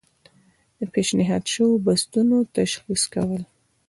د پیشنهاد شویو بستونو تشخیص کول.